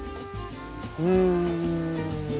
うん。